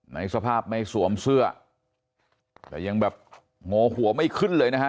ในสภาพไม่สวมเสื้อแต่ยังแบบโงหัวไม่ขึ้นเลยนะฮะ